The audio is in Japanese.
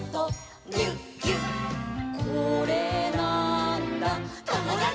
「これなーんだ『ともだち！』」